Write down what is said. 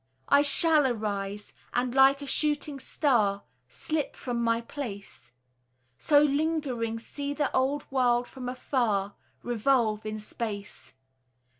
I shall arise, and like a shooting star Slip from my place; So lingering see the old world from afar Revolve in space.